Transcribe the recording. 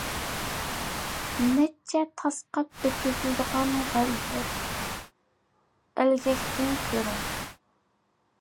نەچچە تاسقاپ ئۆتكۈزۈلىدىغان غەلۋىر، ئەلگەكتىن كۆرۈڭ.